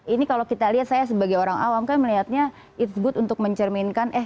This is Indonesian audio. ini kalau kita lihat saya sebagai orang awam kan melihatnya it's good untuk kondisi